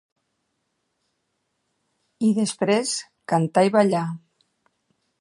I després, cantar i ballar.